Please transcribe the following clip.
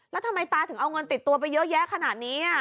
แล้วทำไมตาถึงเอาเงินติดตัวไปเยอะแยะขนาดนี้